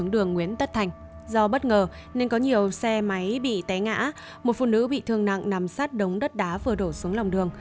do bất ngờ nên có nhiều xe máy bị té ngã một phụ nữ bị thương nặng nằm sát đống đất đá vừa đổ xuống lòng đường